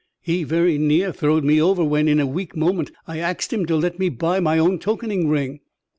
He very near throwed me over when, in a weak moment, I axed him to let me buy my own tokening ring.